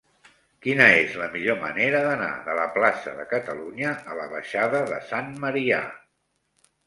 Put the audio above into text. Quina és la millor manera d'anar de la plaça de Catalunya a la baixada de Sant Marià?